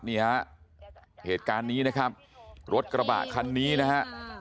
นี่ฮะเหตุการณ์นี้นะครับรถกระบะคันนี้นะฮะ